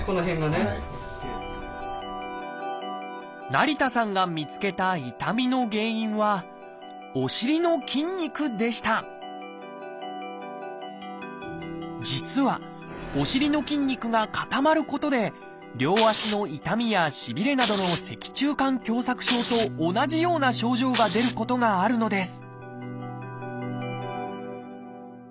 成田さんが見つけた痛みの原因はお尻の筋肉でした実はお尻の筋肉が固まることで両足の痛みやしびれなどの脊柱管狭窄症と同じような症状が出ることがあるのです